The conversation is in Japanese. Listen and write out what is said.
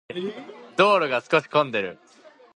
道路が少し混んでいる。